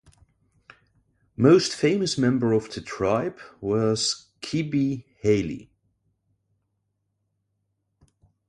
Most famous member of the tribe was Qibi Heli.